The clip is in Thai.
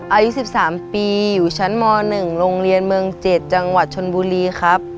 อายุ๑๓ปีอยู่ชั้นม๑โรงเรียนเมือง๗จังหวัดชนบุรีครับ